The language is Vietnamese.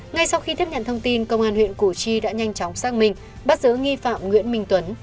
ngay sau khi tiếp nhận thông tin công an huyện củ chi đã nhanh chóng xác minh bắt giữ nghi phạm nguyễn minh tuấn